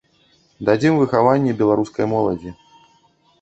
Дадзім выхаванне беларускай моладзі.